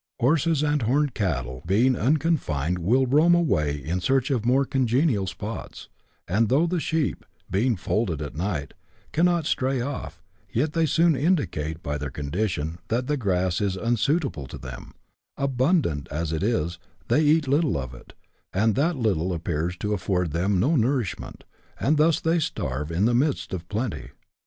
Horses and horned cattle, being unconfined, will roam away in search of more congenial spots, and though the sheep, being folded at night, cannot stray off, yet they soon indicate by their condition that the grass is unsuitable to them ; abundant as it is, they eat little of it, and that little appears to afford them no nourishment, and thus they starve in the midst of plenty.